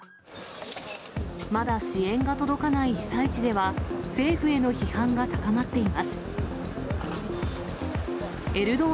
まだ支援が届かない被災地では、政府への批判が高まっています。